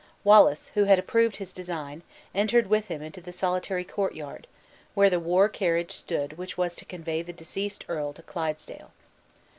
Wallace, who had approved his design, entered with him into the solitary court yard, where the war carriage stood which was to convey the deceased earl to Clydesdale.